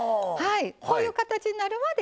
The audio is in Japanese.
こういう形になるまで